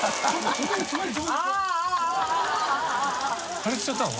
破裂しちゃったの？